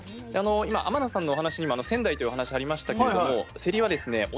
今天野さんのお話にも仙台というお話ありましたけれどもせりはですね